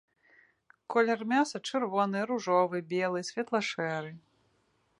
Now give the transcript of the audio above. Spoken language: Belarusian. Колер мяса-чырвоны, ружовы, белы, светла-шэры.